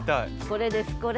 これです